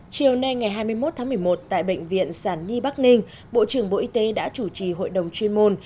chiều nay ngày hai mươi một tháng một mươi một tại bệnh viện sản nhi bắc ninh bộ trưởng bộ y tế đã chủ trì hội đồng chuyên môn